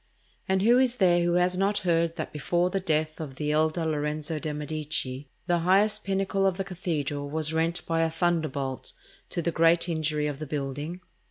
And who is there who has not heard that before the death of the elder Lorenzo de' Medici, the highest pinnacle of the cathedral was rent by a thunderbolt, to the great injury of the building?